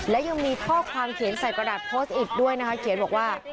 และยังมีข้อความเขียนใส่กระดาษโพสต์อีกด้วยนะคะเขียนบอกว่า